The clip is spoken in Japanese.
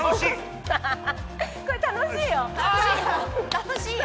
楽しいよ。